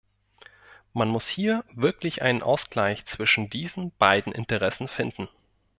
Man muss hier wirklich einen Ausgleich zwischen diesen beiden Interessen finden.